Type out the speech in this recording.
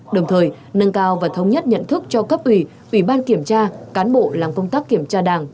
đồng thời nâng cao và thống nhất nhận thức cho cấp ủy ủy ban kiểm tra cán bộ làm công tác kiểm tra đảng